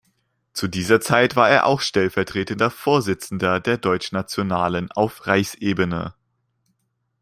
Zu dieser Zeit war er auch stellvertretender Vorsitzender der Deutschnationalen auf Reichsebene.